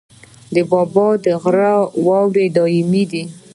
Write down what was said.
د بابا غر واورې دایمي دي